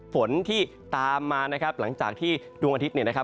ฝนที่ตามมานะครับหลังจากที่ดวงอาทิตย์เนี่ยนะครับ